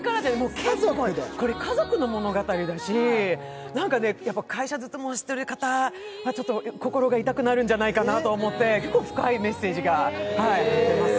これ、家族の物語だし、会社勤めをしている方は心が痛くなるんじゃないかと思って、深いメッセージがあります。